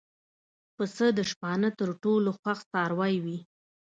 پسه د شپانه تر ټولو خوښ څاروی وي.